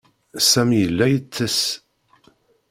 Sami yella yettess.